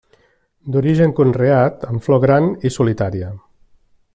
D'origen conreat amb flor gran i solitària.